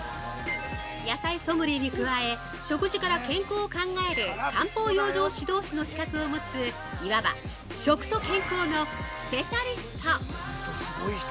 野菜ソムリエに加え、食事から健康を考える漢方養生指導士の資格を持つ、言わば食と健康のスペシャリスト。